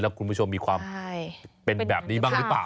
คุณผู้ชมมีความเป็นแบบนี้บ้างหรือเปล่า